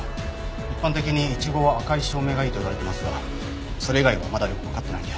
一般的にイチゴは赤い照明がいいといわれてますがそれ以外はまだよくわかってないんで。